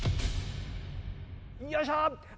よいしょ！